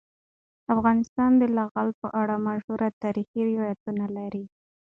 افغانستان د لعل په اړه مشهور تاریخی روایتونه لري.